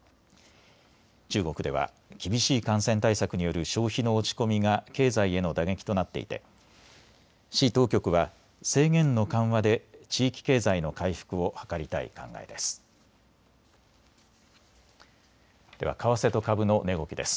中国では厳しい感染対策による消費の落ち込みが経済への打撃となっていて市当局は制限の緩和で地域経済の回復を図りたい考えです。